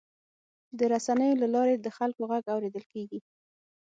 د رسنیو له لارې د خلکو غږ اورېدل کېږي.